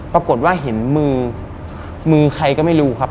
ปรากฏว่าเห็นมือมือใครก็ไม่รู้ครับ